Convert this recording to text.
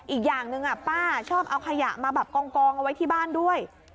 อีกอย่างหนึ่งป้าชอบเอาขยะมาแบบกองเอาไว้ที่บ้านด้วย